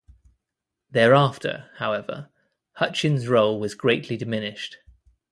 Thereafter, however, Hutchins's role was greatly diminished.